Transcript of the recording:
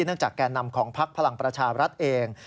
เนื่องจากแก่นำของภักดิ์พลังประชาบรัฐเอง